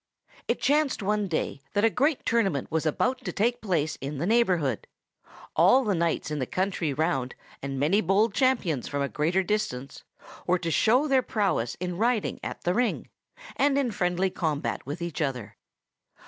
It chanced one day that a great tournament was about to take place in the neighborhood. All the knights in the country round, and many bold champions from a greater distance, were to show their prowess in riding at the ring, and in friendly combat with each other.